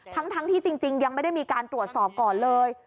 ทั้งที่จริงยังไม่ได้มีการตรวจสอบก่อนเลย